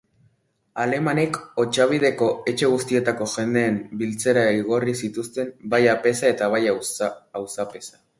Alemanek Otsabideko etxe guztietako jendeen biltzera igorri zituzten bai apeza eta bai auzapeza.